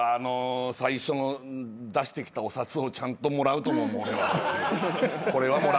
最初の出してきたお札をちゃんともらうと思う俺は。